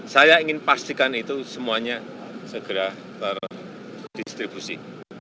saya ingin pastikan itu semuanya segera terdistribusi